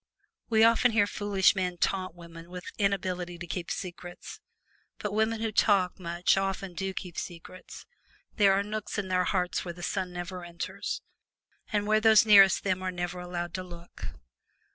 We often hear foolish men taunt women with inability to keep secrets. But women who talk much often do keep secrets there are nooks in their hearts where the sun never enters, and where those nearest them are never allowed to look.